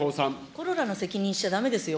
コロナの責任にしちゃだめですよ。